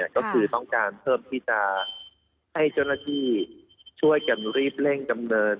ก็คือต้องการเพิ่มที่จะให้เจ้าหน้าที่ช่วยกันรีบเร่งดำเนิน